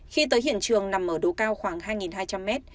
khi tới hiện trường nằm ở độ cao khoảng hai hai trăm linh mét